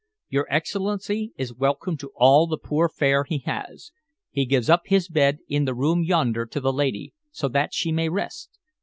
"Your Excellency is welcome to all the poor fare he has. He gives up his bed in the room yonder to the lady, so that she may rest.